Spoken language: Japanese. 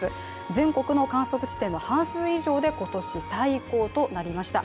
全国の観測地点の半数以上で今年最高となりました。